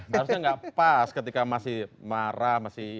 seharusnya tidak pas ketika masih marah